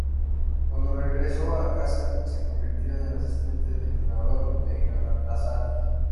Cuando regresó a casa, se convirtió en el asistente de entrenador de Galatasaray.